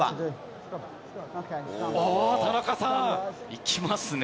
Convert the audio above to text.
あー、いきますね。